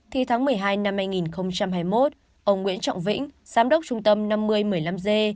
thì tháng một mươi hai năm hai nghìn hai mươi một ông nguyễn trọng vĩnh giám đốc trung tâm năm mươi một mươi năm g